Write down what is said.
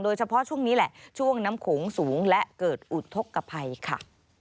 โดยเฉพาะช่วงนี้แหละช่วงน้ำขงสูงและเกิดอุดทกภัยค่ะ